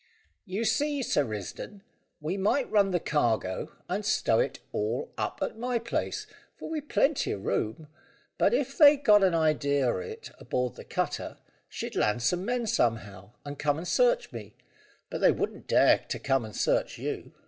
"You see, Sir Risdon, we might run the cargo, and stow it all up at my place, for we've plenty o' room; but if they got an idea of it aboard the cutter, she'd land some men somehow, and come and search me, but they wouldn't dare to come and search you.